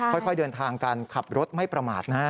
ค่อยเดินทางกันขับรถไม่ประมาทนะฮะ